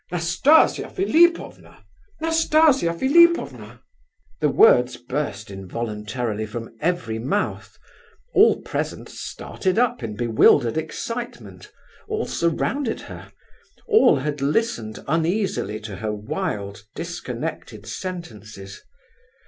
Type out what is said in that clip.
"Nastasia Philipovna! Nastasia Philipovna!" The words burst involuntarily from every mouth. All present started up in bewildered excitement; all surrounded her; all had listened uneasily to her wild, disconnected sentences.